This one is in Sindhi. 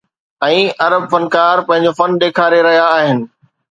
۽ عرب فنڪار پنهنجو فن ڏيکاري رهيا آهن.